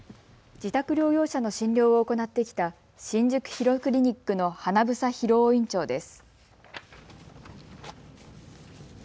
自宅療養者の診療を行ってきた新宿ヒロクリニックの英裕雄院長です。